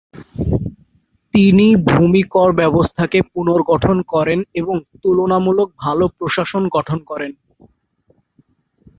তিনি ভূমি কর ব্যবস্থাকে পুনর্গঠন করেন এবং তুলনামূলক ভালো প্রশাসন গঠন করেন।